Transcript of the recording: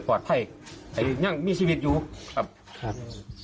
ปลอดไห้แต่ยังมีชีวิตอยู่ครับครับ